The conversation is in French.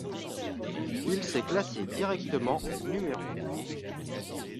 Il s'est classé directement no.